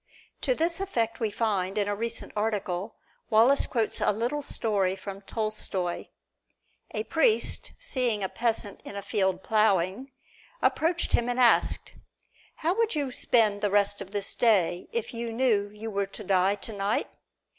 To this effect we find, in a recent article, Wallace quotes a little story from Tolstoy: A priest, seeing a peasant in a field plowing, approached him and asked, "How would you spend the rest of this day if you knew you were to die tonight?"